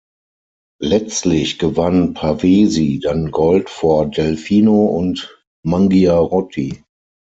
Letztlich gewann Pavesi dann Gold vor Delfino und Mangiarotti.